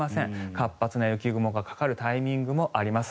活発な雪雲がかかるタイミングもあります。